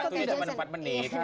waktunya cuma empat menit